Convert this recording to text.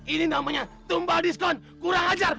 ini namanya tumpah diskon kurang ajar